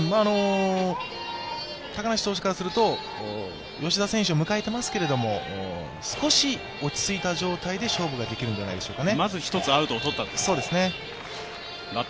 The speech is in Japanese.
高梨投手からすると、吉田選手を迎えていますけれども、少し落ち着いた状態で勝負ができるんじゃないでしょうかね。